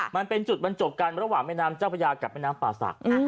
มันเป็นจุดบรรจบกันระหว่างแม่น้ำเจ้าพระยากับแม่น้ำป่าศักดิ์